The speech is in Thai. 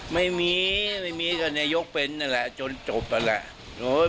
ไม่มีไม่มีก็นายกเป็นนั่นแหละจนจบนั่นแหละ